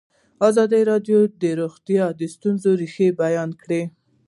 ازادي راډیو د روغتیا د ستونزو رېښه بیان کړې.